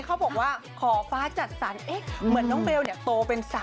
พึ่งเตมหรอพึ่งเตมหรอพึ่งเตม